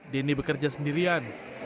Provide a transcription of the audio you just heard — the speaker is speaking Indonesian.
denny bekerja sendirian